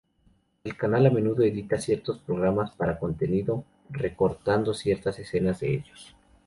El canal a menudo edita ciertos programas para contenido, recortando ciertas escenas de ellos.